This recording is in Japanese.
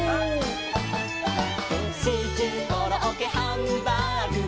「シチューコロッケハンバーグも」